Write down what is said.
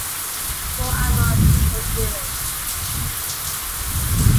More and more people do it.